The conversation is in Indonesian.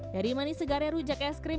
dari manis segarnya rujak es krim